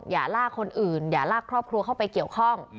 อย่าลากคนอื่นอย่าลากครอบครัวเข้าไปเกี่ยวข้อง